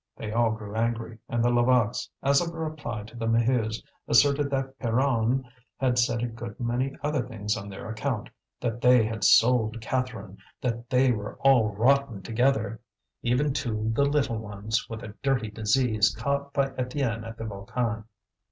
They all grew angry, and the Levaques, as a reply to the Maheus, asserted that Pierronne had said a good many other things on their account; that they had sold Catherine, that they were all rotten together, even to the little ones, with a dirty disease caught by Étienne at the Volcan.